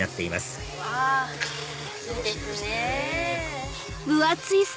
うわいいですね！